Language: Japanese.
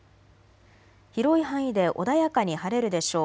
広い範囲で穏やかに晴れるでしょう。